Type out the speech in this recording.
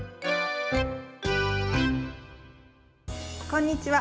こんにちは。